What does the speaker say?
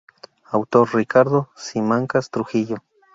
Autor: Ricardo Simancas Trujillo.